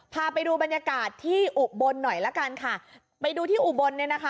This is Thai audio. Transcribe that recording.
พาไปดูบรรยากาศที่อุบลหน่อยละกันค่ะไปดูที่อุบลเนี่ยนะคะ